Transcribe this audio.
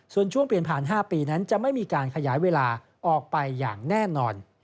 ส่วนช่วงเปลี่ยนผ่าน๕ปีนั้นจะไม่มีการขยายเวลาออกไปอย่างแน่นอน